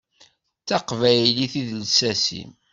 D taqbaylit i d lsas-im.